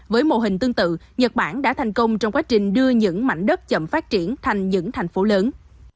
với mô hình tương tự nhật bản đã thành công trong quá trình đưa những mảnh đất chậm phát triển thành những thành phố lớn